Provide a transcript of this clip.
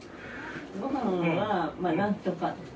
ごはんはまあ、なんとか。